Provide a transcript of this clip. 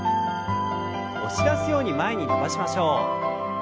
押し出すように前に伸ばしましょう。